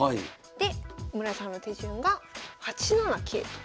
で室谷さんの手順が８七桂と。